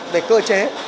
về cơ chế